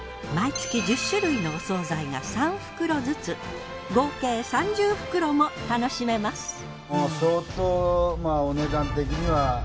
毎月１０種類のお惣菜が３袋ずつ合計３０袋も楽しめます。